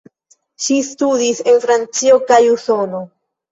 Ŝi studis en Francio kaj Usono.